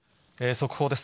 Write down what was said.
速報です。